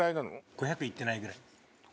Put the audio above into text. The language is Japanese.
５００行ってないぐらい。